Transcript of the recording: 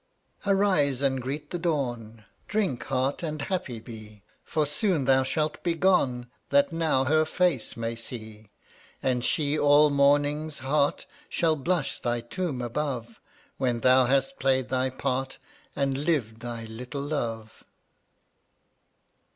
146 Arise and greet the Dawn! Drink, heart, and happy be, For soon thou shalt be gone That now her face may see. And she all mornings, heart, Shall blush thy tomb above — When thou hast played thy part And lived thy little love.